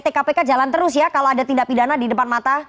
tkpk jalan terus ya kalau ada tindak pidana di depan mata